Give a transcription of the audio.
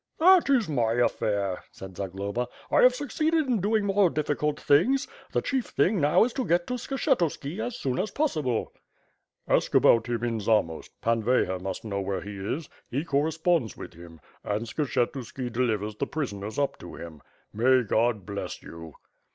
"That is my affair," said Zagloba. "I have succeeded in doing more difficult things. The chief thing now is to get to Skshetuski as soon as possible." "Ask about him in Zamost. Pan Veyher must know where he is; he corresponds with him, and Skshetuski delivers the prisoners up to him. May God bless you!"